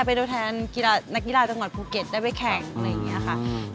เป็นตัวแทนนักกีฬาจังหวัดภูเก็ตได้ไปแข่งอะไรอย่างนี้ค่ะ